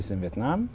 qua việt nam